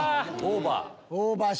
オーバー。